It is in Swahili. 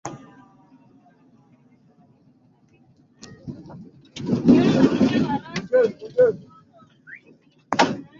frg ulisoma hapa inamaanisha nini